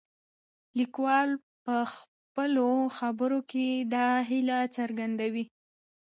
لیکوال په خپلو خبرو کې دا هیله څرګندوي.